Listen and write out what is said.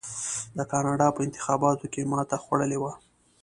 د کاناډا په انتخاباتو کې ماته خوړلې وه.